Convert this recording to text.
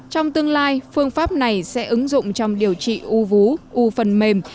trong tương lai phương pháp này sẽ ứng dụng trong điều trị u vú u phần mềm